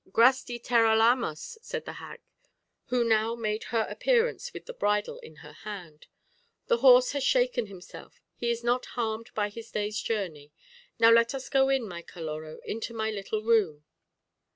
"Grasti terelamos," said the hag, who now made her appearance with the bridle in her hand; "the horse has shaken himself, he is not harmed by his day's journey; now let us go in, my Caloró, into my little room."